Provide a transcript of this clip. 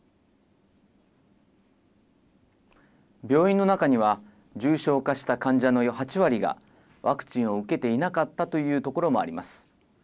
病院の中には、重症化した患者の８割が、ワクチンを受けていなかったというところもあります。